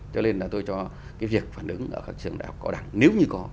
cho nên là tôi cho cái việc phản ứng ở các trường đại học cao đẳng nếu như có